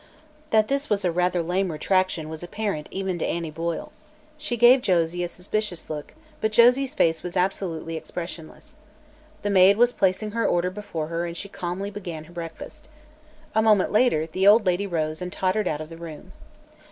That this was a rather lame retraction was apparent even to Annie Boyle. She gave Josie a suspicious look, but Josie's face was absolutely expressionless. The maid was placing her order before her and she calmly began her breakfast. A moment later, the old lady rose and tottered out of the room.